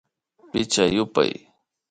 Pichka yupay